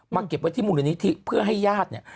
เก็บไว้ที่มูลนิธิเพื่อให้ญาติเนี่ย